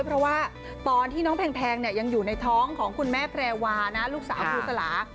เพราะว่าตอนที่น้องแพงยังอยู่ในท้องของคุณแม่แพรวานะลูกสาวครูสลา